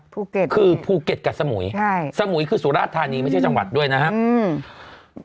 ภูเก็ตคือภูเก็ตกับสมุยใช่สมุยคือสุราชธานีไม่ใช่จังหวัดด้วยนะครับอืม